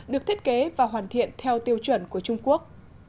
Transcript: được thiết kế và hoàn thiện theo tiêu chuẩn của trung quốc